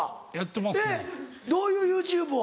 どういうＹｏｕＴｕｂｅを？